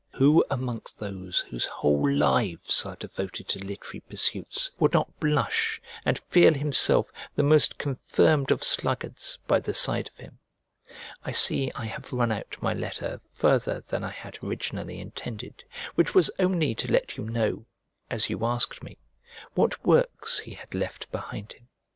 Who amongst those whose whole lives are devoted to literary pursuits would not blush and feel himself the most confirmed of sluggards by the side of him? I see I have run out my letter farther than I had originally intended, which was only to let you know, as you asked me, what works he had left behind him.